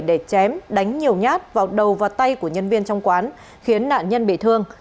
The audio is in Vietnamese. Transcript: để chém đánh nhiều nhát vào đầu và tay của nhân viên trong quán khiến nạn nhân bị thương